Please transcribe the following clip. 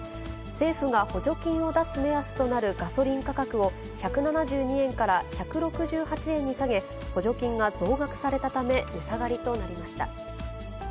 政府が補助金を出す目安となるガソリン価格を、１７２円から１６８円に下げ、補助金が増額されたため、値下がりとなりました。